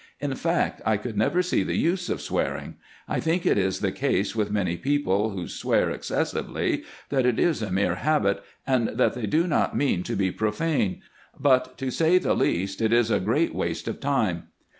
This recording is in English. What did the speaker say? In fact, I could never see the use of swearing. I think it is the case with many people who swear ex cessively that it is a mere habit, and that they do not mean to be profane; but, to say the least, it is a great waste of time."